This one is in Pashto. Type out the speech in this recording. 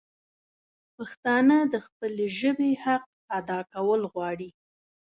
پښتانه د خپلي ژبي حق ادا کول غواړي